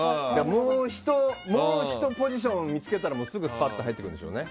もうひとポジションみつけたらすぐ、スパッと入ってくるでしょうね。